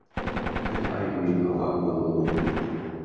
Бер ай буйы һауа боҙолоуы.